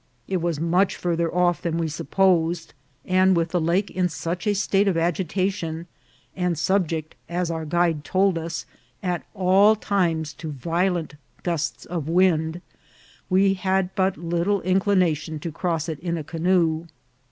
It was much farther off than we supposed, and with the lake in such a state of agitation, and subject, as our guide told us, at all times to vio lent gusts of wind, we had but little inclination to cross it in a canoe.